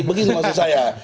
begini maksud saya